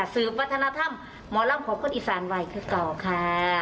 สื่อปัฒนธรรมหมอร่ำของคนอีสานวัยเก่าค่ะ